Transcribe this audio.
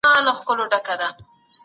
ټولنه زموږ کور دی.